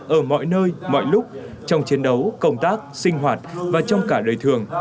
ở mọi nơi mọi lúc trong chiến đấu công tác sinh hoạt và trong cả đời thường